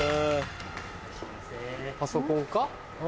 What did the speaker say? パソコンか？